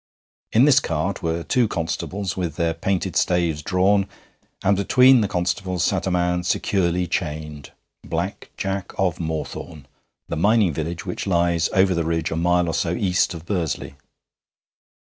In this, cart were two constables, with their painted staves drawn, and between the constables sat a man securely chained Black Jack of Moorthorne, the mining village which lies over the ridge a mile or so east of Bursley.